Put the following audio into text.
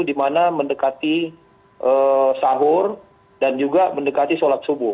di mana mendekati sahur dan juga mendekati sholat subuh